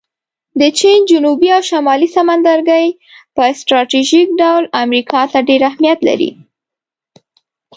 د چین جنوبي او شمالي سمندرګی په سټراټیژیک ډول امریکا ته ډېر اهمیت لري